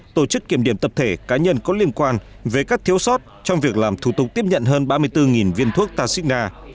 tổ chức kiểm điểm tập thể cá nhân có liên quan về các thiếu sót trong việc làm thủ tục tiếp nhận hơn ba mươi bốn viên thuốc taxina